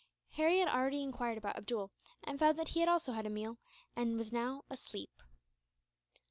Harry had already enquired about Abdool, and found that he had also had a meal, and was now asleep.